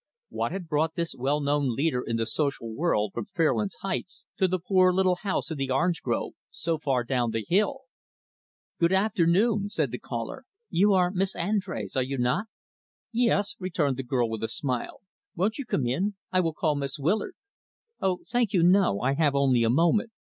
What had brought this well known leader in the social world from Fairlands Heights to the poor, little house in the orange grove, so far down the hill? "Good afternoon," said the caller. "You are Miss Andrés, are you not?" "Yes," returned the girl, with a smile. "Won't you come in? I will call Miss Willard." "Oh, thank you, no. I have only a moment.